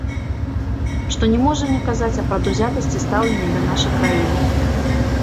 Што не можа не казаць аб прадузятасці стаўлення да нашай краіны.